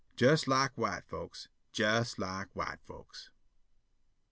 Jes lak white folks! Jes lak white folks!